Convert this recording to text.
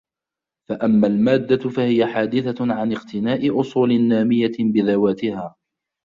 فَأَمَّا الْمَادَّةُ فَهِيَ حَادِثَةٌ عَنْ اقْتِنَاءِ أُصُولٍ نَامِيَةٍ بِذَوَاتِهَا